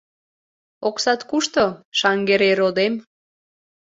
Оксат кушто, Шаҥгерей родем?